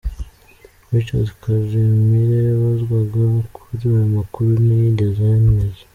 Richard Karemire yabazwaga kuri aya makuru, ntiyigeze ayameza.